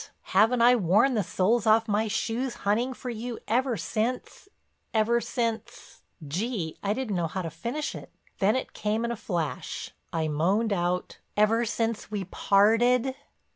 Haven't I worn the soles off my shoes hunting for you ever since, ever since—" Gee, I didn't know how to finish it, then it came in a flash. I moaned out, "ever since we parted."